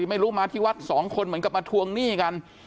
ไม่รู้มาที่วัดสองคนเหมือนกับมาทวงหนี้กัน